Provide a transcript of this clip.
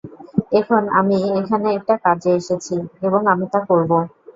এখন, আমি এখানে একটা কাজে এসেছি, এবং আমি তা করবো।